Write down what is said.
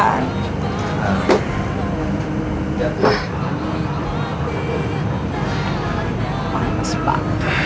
orang yang mesepak